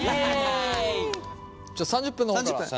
じゃあ３０分の方から。